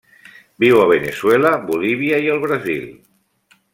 Viu a Veneçuela, Bolívia i el Brasil.